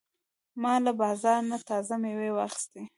ما له بازار نه تازه مېوې واخیستې.